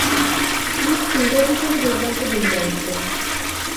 Slip fielder হিসেবে দূর্দান্ত ভূমিকা রাখতেন।